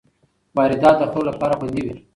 واردات د خلکو لپاره خوندي وي.